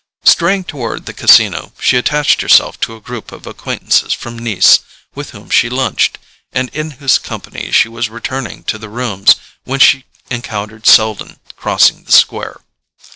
Straying toward the Casino, she attached herself to a group of acquaintances from Nice, with whom she lunched, and in whose company she was returning to the rooms when she encountered Selden crossing the square.